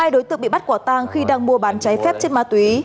hai đối tượng bị bắt quả tang khi đang mua bán cháy phép chất ma túy